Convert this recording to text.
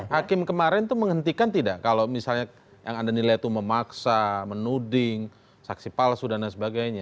hakim kemarin itu menghentikan tidak kalau misalnya yang anda nilai itu memaksa menuding saksi palsu dan lain sebagainya